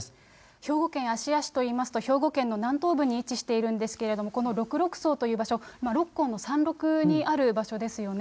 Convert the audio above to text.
兵庫県芦屋市といいますと、兵庫県の南東部に位置しているんですけれども、この六麓荘という場所、六甲の山麓にある場所ですよね。